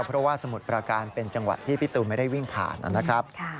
เพราะว่าสมุทรประการเป็นจังหวัดที่พี่ตูนไม่ได้วิ่งผ่านนะครับ